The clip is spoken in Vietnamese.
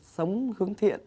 sống hướng thiện